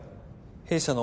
「弊社の」